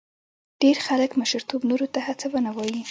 ډېر خلک مشرتوب نورو ته هڅونه وایي.